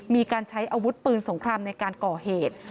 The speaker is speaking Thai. มีการใช้อาวุธปืนสงครามในการก่อเหตุ